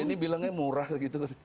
ini bilangnya murah gitu